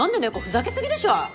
ふざけすぎでしょ！